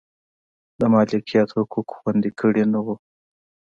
د مالکیت حقوق خوندي کړي نه و.